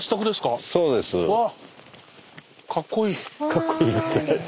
かっこいい。